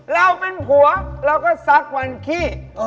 เราเป็นผัวเราก็ซักวันขี้